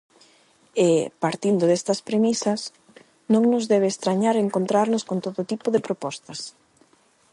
E, partindo destas premisas, non nos debe estrañar encontrarnos con todo tipo de propostas.